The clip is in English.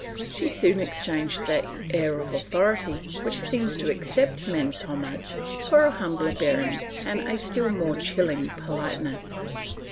She soon exchanged that air of authority which seems to accept men's homage for a humbler bearing and a still more chilling politeness.